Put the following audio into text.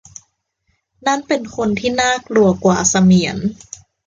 นั่นเป็นคนที่น่ากลัวกว่าเสมียน